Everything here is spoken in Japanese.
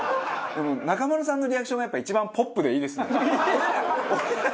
でも中丸さんのリアクションがやっぱ一番ポップでいいですね。